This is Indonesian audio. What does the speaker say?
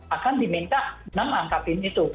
akan diminta enam angka pin itu